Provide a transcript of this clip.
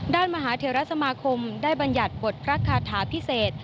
ด้านมหาเถรสามาคมได้บัญญัติบทพระคาถาพิเศษ